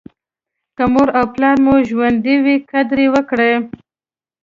که مور او پلار مو ژوندي وي قدر یې وکړئ.